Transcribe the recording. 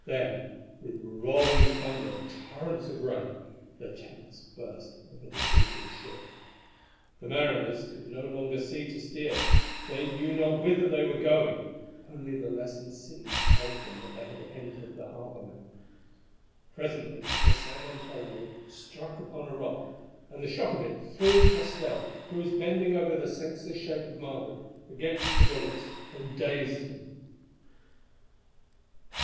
Then, with rolling thunder and torrents of rain, the tempest burst over the sinking ship. The mariners could no longer see to steer, they knew not whither they were going, only the lessened seas told them that they had entered the harbour mouth. Presently the San Antonio struck upon a rock, and the shock of it threw Castell, who was bending over the senseless shape of Margaret, against the bulwarks and dazed him.